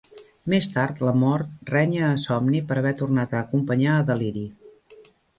Més tard, la Mort renya a Somni per haver tornat a acompanyar a Deliri.